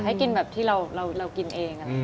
ที่ทุกคนแบบกินเอง